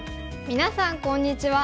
みなさんこんにちは。